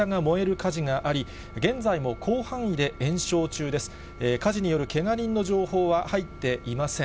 家事によるけが人の情報は入っていません。